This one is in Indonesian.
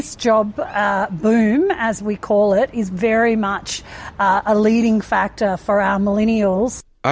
pembangkitan seperti kita sebutnya adalah faktor yang paling penting bagi milenial kita